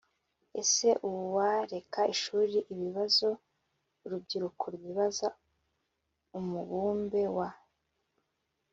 Ese uwareka ishuri Ibibazo urubyiruko rwibaza Umubumbe wa